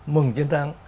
mừng chiến thắng